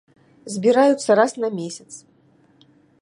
Збіраюцца раз на месяц.